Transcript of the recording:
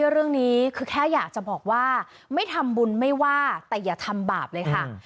เรื่องนี้คือแค่อยากจะบอกว่าไม่ทำบุญไม่ว่าแต่อย่าทำบาปเลยค่ะ